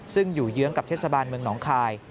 ซึ่งอยู่เยื้องกับเทศบาลเมืองหนองคาย